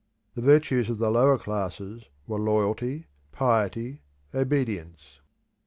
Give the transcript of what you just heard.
The virtues of the lower classes were loyalty, piety, obedience.